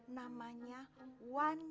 namanya wan jamil